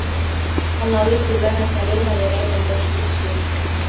El nou d'octubre na Cèlia i na Vera iran d'excursió.